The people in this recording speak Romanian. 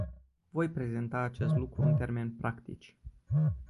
Voi prezenta acest lucru în termeni practici.